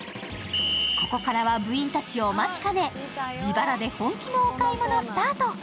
ここからは部員たちお待ちかね自腹で本気のお買い物スタート。